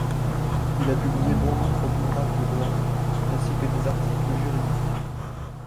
Il a publié bon nombre d'ouvrages de droit, ainsi que des articles juridiques.